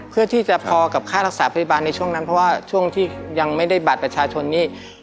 เพื่อที่จะพอกับค่ารักษาพยาบาลในช่วงนั้นเพราะว่าช่วงที่ยังไม่ได้บัตรประชาชนนี่